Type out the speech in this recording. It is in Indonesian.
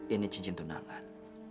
ini cincin tunangan